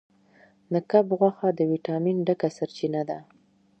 د کب غوښه د ویټامین ډکه سرچینه ده.